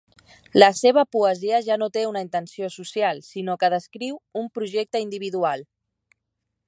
La seva poesia ja no té una intenció social, sinó que descriu un projecte individual.